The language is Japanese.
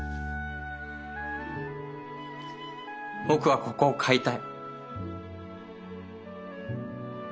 僕はここを買いたい。